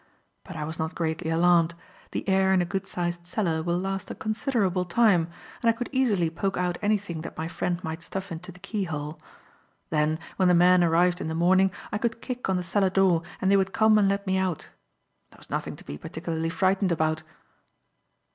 But I was not greatly alarmed. The air in a good sized cellar will last a considerable time, and I could easily poke out anything that my friend might stuff into the keyhole. Then, when the men arrived in the morning, I could kick on the cellar door, and they would come and let me out. There was nothing to be particularly frightened about.